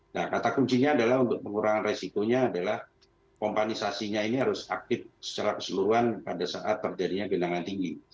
nah kata kuncinya adalah untuk pengurangan resikonya adalah pompanisasinya ini harus aktif secara keseluruhan pada saat terjadinya genangan tinggi